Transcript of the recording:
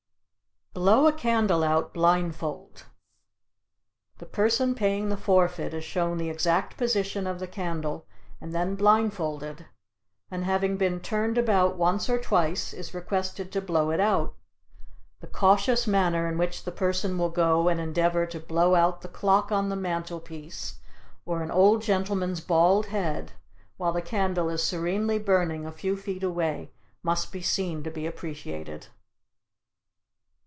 Blow a Candle Out Blindfold. The person paying the forfeit is shown the exact position of the candle and then blindfolded, and having been turned about once or twice is requested to blow it out. The cautious manner in which the person will go and endeavor to blow out the clock on the mantle piece or an old gentleman's bald head, while the candle is serenely burning a few feet away must be seen to be appreciated.